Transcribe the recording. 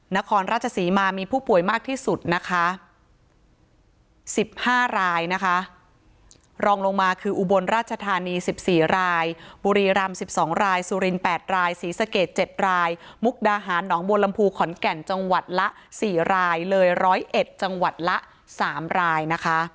นครราชศรีมามีผู้ป่วยมากที่สุดนะคะ๑๕รายนะคะรองลงมาคืออุบลราชธานี๑๔รายบุรีรำ๑๒รายสุริน๘รายศรีสะเกด๗รายมุกดาหารหนองบัวลำพูขอนแก่นจังหวัดละ๔รายเลย๑๐๑จังหวัดละ๓รายนะคะ